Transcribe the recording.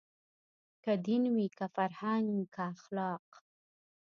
که دین وي که فرهنګ که اخلاق